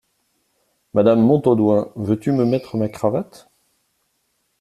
Madame Montaudoin, veux-tu me mettre ma cravate ?